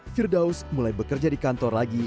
firdaus mulai bekerja di kantor lagi